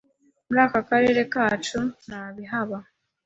muri aka Karere kacu ntabihaba